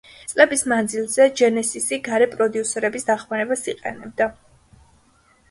წლების მანძილზე ჯენესისი გარე პროდიუსერების დახმარებას იყენებდა.